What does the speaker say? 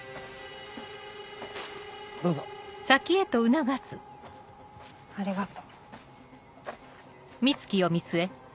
どうぞ。ありがと。